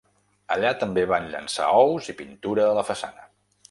Allà també van llençar ous i pintura a la façana.